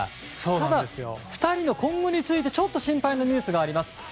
ただ、２人の今後についてちょっと心配なニュースがあります。